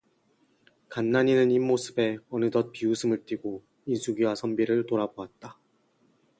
간난이는 입모습에 어느덧 비웃음을 띠고 인숙이와 선비를 돌아보았다.